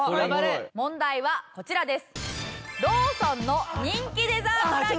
問題はこちらです。